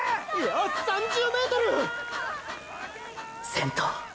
「先頭」！！